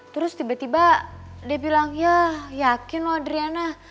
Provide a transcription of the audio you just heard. trus tiba tiba dia bilang ya yakin loh adriana